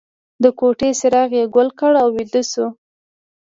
د کوټې څراغ یې ګل کړ او ویده شو